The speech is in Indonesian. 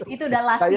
itu sudah last year ya